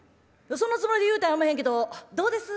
そんなつもりで言うたんやおまへんけどどうです？